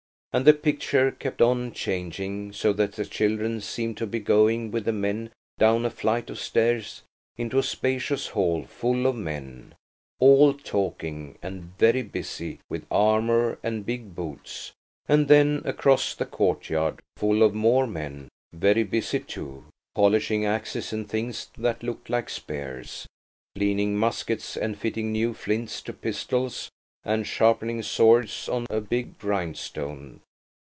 And the picture kept on changing so that the children seemed to be going with the men down a flight of stairs into a spacious hall full of men, all talking, and very busy with armour and big boots, and then across the courtyard, full of more men, very busy too, polishing axes and things that looked like spears, cleaning muskets and fitting new flints to pistols and sharpening swords on a big grindstone.